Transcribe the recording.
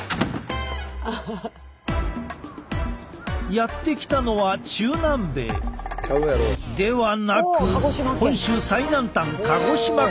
やって来たのは中南米！ではなく本州最南端鹿児島県！